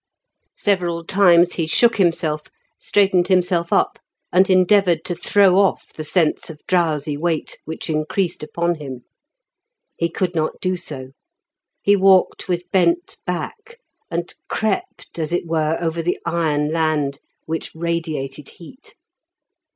Several times he shook himself, straightened himself up, and endeavoured to throw off the sense of drowsy weight which increased upon him. He could not do so; he walked with bent back, and crept, as it were, over the iron land which radiated heat.